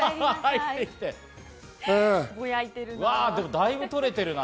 だいぶ取れてるな。